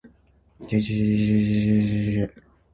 jjjjjjjjjjjjjjjjj